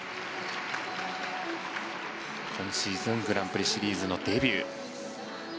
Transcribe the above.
今シーズングランプリシリーズのデビュー。